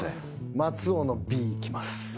松尾のＢいきます。